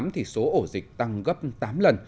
thì số ổ dịch tăng gấp tám lần